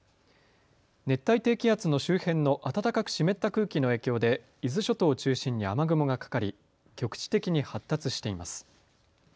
熱帯低気圧の周辺の暖かく湿った空気の影響で伊豆諸島を中心に雨雲がかかり局地的に発達しています。